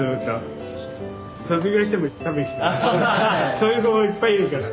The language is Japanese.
そういう子もいっぱいいるから。